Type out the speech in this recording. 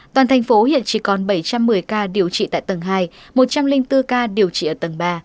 toàn thành phố hiện chỉ còn bảy trăm một mươi ca điều trị tại tầng hai một trăm linh bốn ca điều trị ở tầng ba